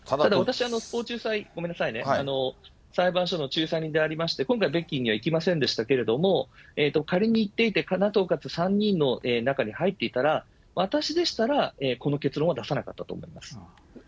私、スポーツ仲裁裁判所の仲裁人でありまして、今回、北京には行きませんでしたけれども、今回、仮に行っていて、３人の中に入っていたら、私でしたらこの結論は出さなかったと思います。